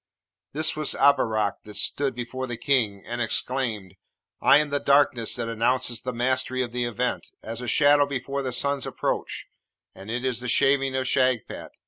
This was Abarak that stood before the King, and exclaimed, 'I am the darkness that announceth the mastery of the Event, as a shadow before the sun's approach, and it is the Shaving of Shagpat!'